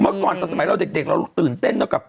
เมื่อกลับมาเราก็ตื่นเต้น